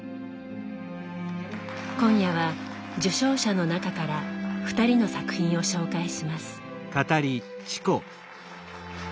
今夜は受賞者の中から２人の作品を紹介します。